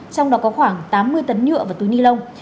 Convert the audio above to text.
trong đó có khoảng tám mươi tấn nhựa và túi ni lông